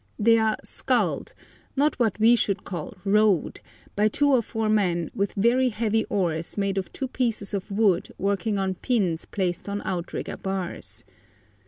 They are sculled, not what we should call rowed, by two or four men with very heavy oars made of two pieces of wood working on pins placed on outrigger bars.